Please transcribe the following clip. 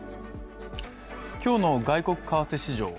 今日の外国為替市場。